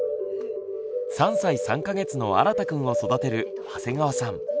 ３歳３か月のあらたくんを育てる長谷川さん。